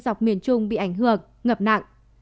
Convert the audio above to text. dọc miền trung bị ảnh hưởng ngập nặng